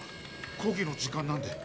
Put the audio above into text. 講義の時間なんで。